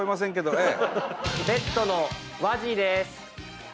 レッドのわじぃです。